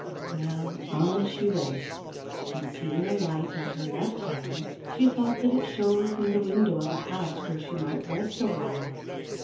Well, on she went; and seeing a light at her left hand she thought that it shone from the window of a house where she might rest awhile.